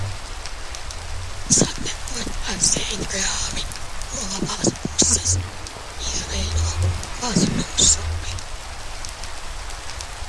Satekot ar Sēņgrāvi no labās puses, izveido Mazdursupi.